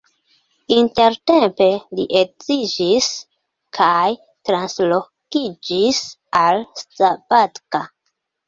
Intertempe li edziĝis kaj translokiĝis al Szabadka.